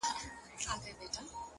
د بریا تخم په نن کې کرل کېږي